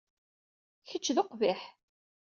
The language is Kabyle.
Kečč d uqbiḥ.